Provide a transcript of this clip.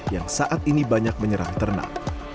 yang saat ini banyak menyerang ternak